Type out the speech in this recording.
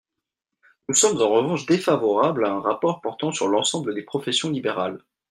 Nous sommes en revanche défavorables à un rapport portant sur l’ensemble des professions libérales.